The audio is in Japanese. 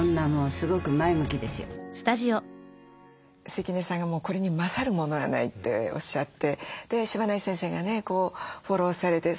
関根さんがこれに勝るものはないっておっしゃってで柴内先生がねフォローされて。